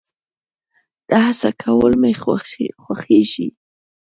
د څه کول مې خوښيږي؟